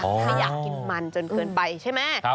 ไม่อยากกินมันจนเกินไปใช่ไหม